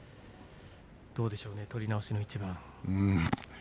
どうでしょうね取り直しの一番。